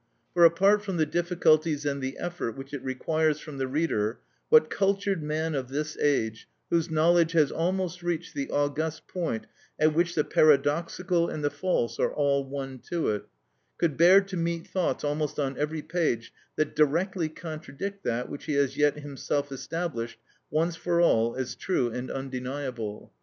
For apart from the difficulties and the effort which it requires from the reader, what cultured man of this age, whose knowledge has almost reached the august point at which the paradoxical and the false are all one to it, could bear to meet thoughts almost on every page that directly contradict that which he has yet himself established once for all as true and undeniable?